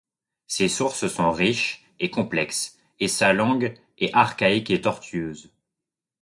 Ses sources sont riches et complexes, et sa langue est archaïque et tortueuse.